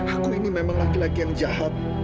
aku ini memang laki laki yang jahat